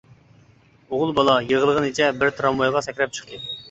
ئوغۇل بالا يىغلىغىنىچە بىر تىرامۋايغا سەكرەپ چىقتى.